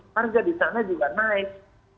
harga di sana juga naik